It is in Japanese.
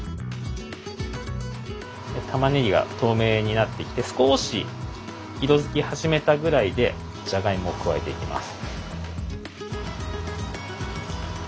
たまねぎが透明になってきて少し色づき始めたぐらいでじゃがいもを加えていきます。